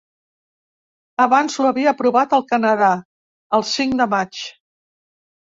Abans ho havia aprovat el Canadà, el cinc de maig.